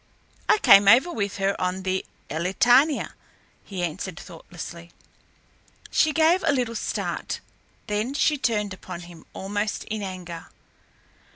"I came over with her on the Elletania," he answered thoughtlessly. She gave a little start. Then she turned upon him almost in anger.